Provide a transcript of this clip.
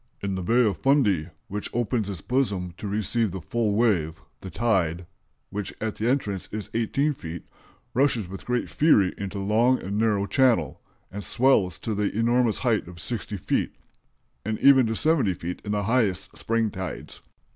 In the Bay of Fundy, which opens its bosom to receive the full wave, the tide, which at the entrance is 18 feet, rushes with great fury into that long and narrow channel, and swells to the enormous height of 60 feet, and even to 70 feet in the highest spring tides.